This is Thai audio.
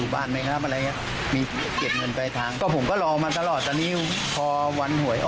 เขาไม่ได้ส่งมาเพราะว่าเขาโทรหาแล้วไม่ติด